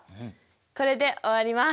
これで終わります。